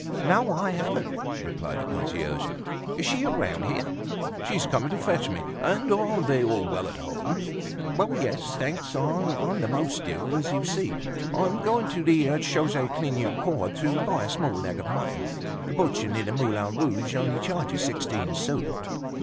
"No, I haven't," replied the concierge. "Is she around here?" "She's coming to fetch me. And are they all well at home?" "Why, yes, thanks; I'm the most ill, as you see. I'm going to the Chaussee Clignancourt to buy a small leg of mutton. The butcher near the Moulin Rouge only charges sixteen sous."